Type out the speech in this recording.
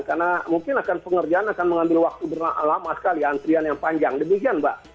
karena mungkin akan pekerjaan mengambil waktu yang lama sekali antrian yang panjang demikian pak